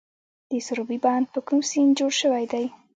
د سروبي بند په کوم سیند جوړ شوی دی؟